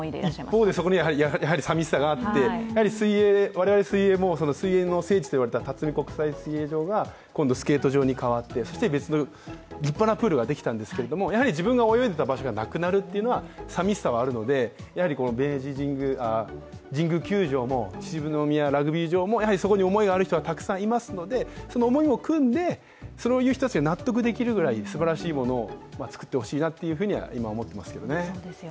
一方でやはりそこにはさみしさがあって、水泳も水泳の聖地と言われた辰巳国際水泳場が今度スケート場に変わって今度別の、立派なプールができたわけですが自分が泳いでいた場所がなくなるのは、寂しさがあるので、神宮球場も秩父宮ラグビー場も思いのある人がたくさんいるのでその思いをくんで、そういう人たちが納得できるくらい、すばらしいものを作ってほしいなと今、思っていますけどね。